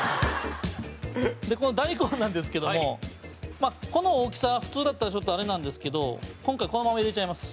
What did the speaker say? この大根なんですけどもこの大きさは普通だったらちょっとあれなんですけど今回このまま入れちゃいます。